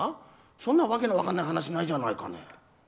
そんなわけの分からない話ないじゃないかね。